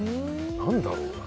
何だろうな。